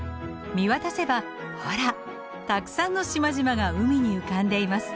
見渡せばほらたくさんの島々が海に浮かんでいます。